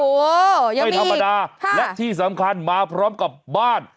โอ้โหไม่ธรรมดาและที่สำคัญมาพร้อมกับบ้าน